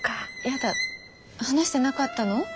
やだ話してなかったの？